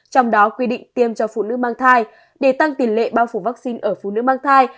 trong đó quy định tiêm cho phụ nữ mang thai để tăng tiền lệ bao phủ vaccine ở phụ nữ mang thai